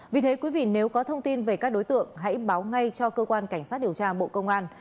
vì thế quý vị nếu có thông tin về các đối tượng hãy báo ngay cho cơ quan cảnh sát điều tra bộ công an